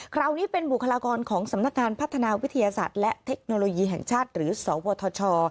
คราวนี้เป็นบุคลากรของสำนักงานพัฒนาวิทยาศาสตร์และเทคโนโลยีแห่งชาติหรือสวทช